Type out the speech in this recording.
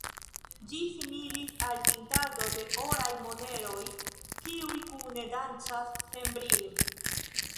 Ĝi similis al tintado de oraj moneroj, kiuj kune dancas senbride.